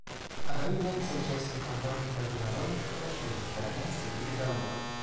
Оно является участником многих международных соглашений, конвенций и договоров.